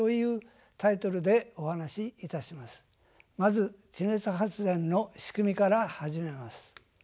まず地熱発電の仕組みから始めます。